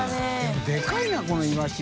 任でかいなこのイワシ。